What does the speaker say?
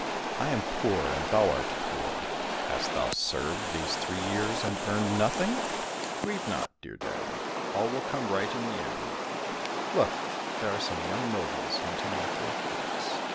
I am poor and thou art poor : hast thou served these three years and earned nothing ?"—" Grieve not, dear dad, all will come right in the end. Look ! there are some young nobles hunting after a fox.